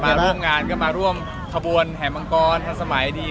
มาร่วมงานก็มาร่วมขบวนแห่มังกรทันสมัยดี